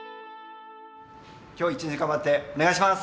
今日一日頑張ってお願いします！